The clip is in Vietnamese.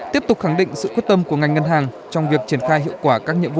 tiếp tục khẳng định sự quyết tâm của ngành ngân hàng trong việc triển khai hiệu quả